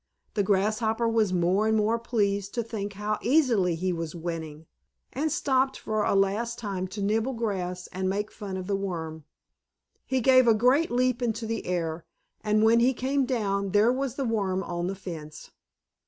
The Grasshopper was more and more pleased to think how easily he was winning, and stopped for a last time to nibble grass and make fun of the Worm. He gave a great leap into the air, and when he came down there was the Worm on the fence!